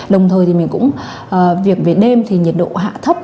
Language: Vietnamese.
đồng thời thì mình cũng việc về đêm thì nhiệt độ hạ thấp